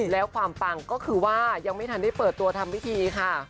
แล้วความปังก็คือว่ายังไม่ทันได้เปิดตัวทำพิธีค่ะ